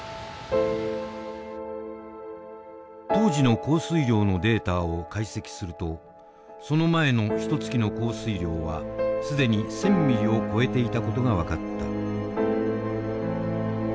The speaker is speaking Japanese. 当時の降水量のデータを解析するとその前のひとつきの降水量は既に１，０００ミリを超えていた事が分かった。